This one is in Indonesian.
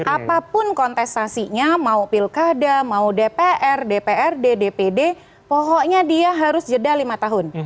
apapun kontestasinya mau pilkada mau dpr dprd dpd pokoknya dia harus jeda lima tahun